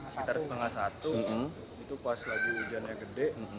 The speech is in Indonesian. sekitar setengah satu itu pas lagi hujannya gede